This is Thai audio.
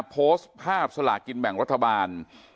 ป็อสภาพสลากินแบ่งรัฐบาล